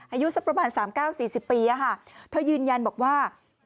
อายุสักประมาณ๓๙๔๐ปีเธอยืนยันบอกว่า